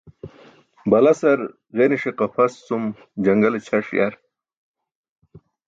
Balasar ġenise qapʰas cum jaṅgale ćʰaṣ yar.